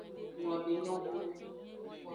Nglobe enyo hunu.